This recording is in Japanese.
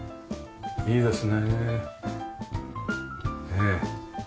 いいですねえ。